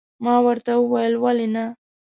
ما ورته وویل، ولې نه.